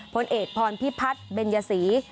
พลเอกพรพิพัฒน์เบญยศรี